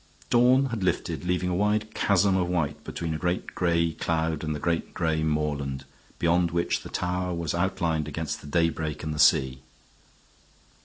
Dawn had lifted, leaving a wide chasm of white between a great gray cloud and the great gray moorland, beyond which the tower was outlined against the daybreak and the sea.